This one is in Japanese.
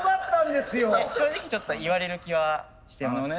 正直ちょっと言われる気はしてました。